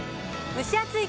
蒸し暑い